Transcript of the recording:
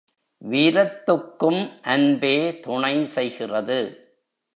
வீரத்துக்கும் அன்பே துணை செய்கிறது.